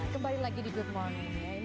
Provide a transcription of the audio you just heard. kembali lagi di good morning